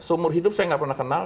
seumur hidup saya nggak pernah kenal